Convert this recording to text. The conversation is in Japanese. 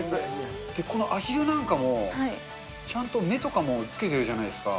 このアヒルなんかも、ちゃんと目とかもつけてるじゃないですか。